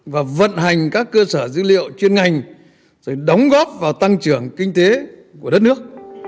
và vận hành các cơ sở dữ liệu chuyên ngành rồi đóng góp vào tăng trưởng kinh tế của đất nước